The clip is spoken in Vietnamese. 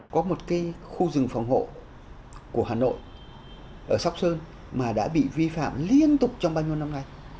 có một cái khu rừng phòng hộ của hà nội ở sóc sơn mà đã bị vi phạm liên tục trong bao nhiêu năm nay